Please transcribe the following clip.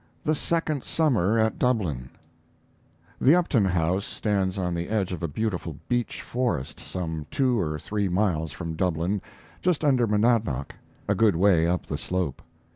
THE SECOND SUMMER AT DUBLIN The Upton House stands on the edge of a beautiful beech forest some two or three miles from Dublin, just under Monadnock a good way up the slope.